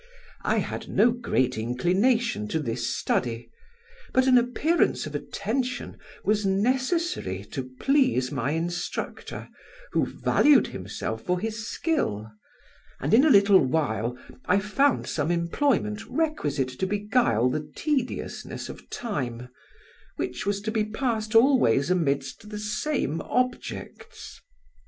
I had no great inclination to this study; but an appearance of attention was necessary to please my instructor, who valued himself for his skill, and in a little while I found some employment requisite to beguile the tediousness of time, which was to be passed always amidst the same objects.